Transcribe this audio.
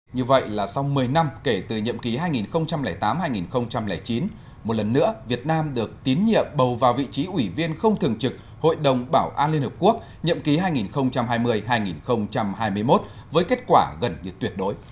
như vậy là sau một mươi năm kể từ nhiệm ký hai nghìn tám hai nghìn chín một lần nữa việt nam được tín nhiệm bầu vào vị trí ủy viên không thường trực hội đồng bảo an liên hợp quốc nhậm ký hai nghìn hai mươi hai nghìn hai mươi một với kết quả gần như tuyệt đối